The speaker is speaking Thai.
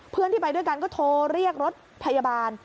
เพื่อนที่ไปด้วยกันก็โทรเรียกรถพยาบาล